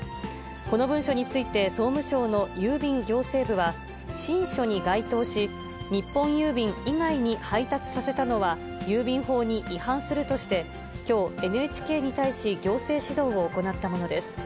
この文書について、総務省の郵便行政部は、しんしょに該当し、日本郵便以外に配達させたのは、郵便法に違反するとして、きょう、ＮＨＫに対し行政指導を行ったものです。